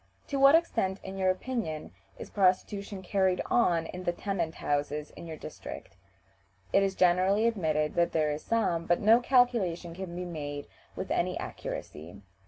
"To what extent, in your opinion, is prostitution carried on in the tenant houses in your district?" It is generally admitted that there is some, but no calculation can be made with any accuracy.